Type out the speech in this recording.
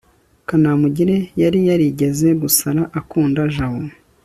kanamugire yari yarigeze gusara akunda jabo